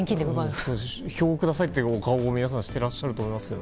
票をくださいという顔を皆さんしていらっしゃると思います。